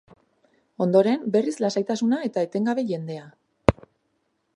Ondoren, berriz lasaitasuna eta etengabe jendea.